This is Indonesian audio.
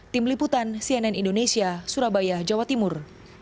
tim liputan cnn indonesia surabaya jawa timur